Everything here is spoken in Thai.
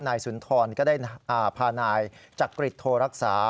นายสุนทรก็ได้พานายจักริตโทรรักษา